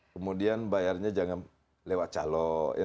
kemudian bayarnya jangan lewat calok